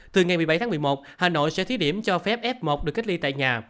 từ ngày một mươi bảy tháng một mươi một hà nội sẽ thí điểm cho phép f một được cách ly tại nhà